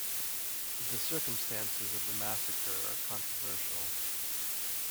The circumstances of the massacre are controversial.